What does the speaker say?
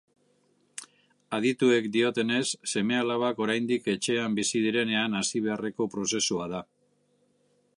Adituek diotenez, seme-alabak oraindik etxean bizi direnean hasi beharreko prozesua da.